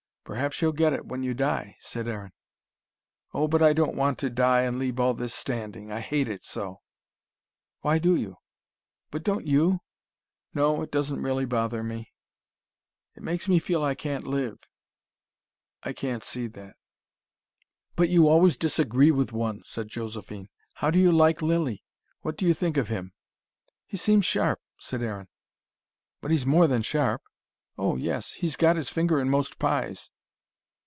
"Perhaps you'll get it, when you die," said Aaron. "Oh, but I don't want to die and leave all this standing. I hate it so." "Why do you?" "But don't you?" "No, it doesn't really bother me." "It makes me feel I can't live." "I can't see that." "But you always disagree with one!" said Josephine. "How do you like Lilly? What do you think of him?" "He seems sharp," said Aaron. "But he's more than sharp." "Oh, yes! He's got his finger in most pies."